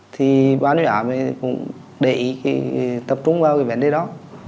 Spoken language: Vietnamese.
thì bán giả cũng để ý tập trung vào vấn đề đó